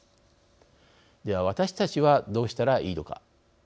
では私たちはどうしたらいいのか。